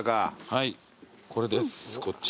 はいこれですこっち。